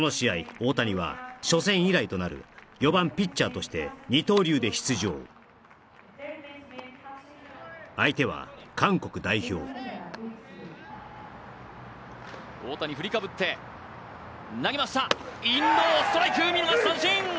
大谷は初戦以来となる４番ピッチャーとして二刀流で出場相手は韓国代表大谷振りかぶって投げましたインローストライク見逃し三振！